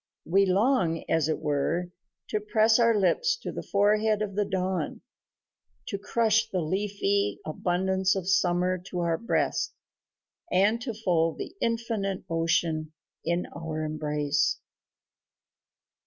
We long, as it were, to press our lips to the forehead of the dawn, to crush the leafy abundance of summer to our breast, and to fold the infinite ocean in our embrace.